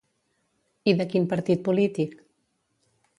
I de quin partit polític?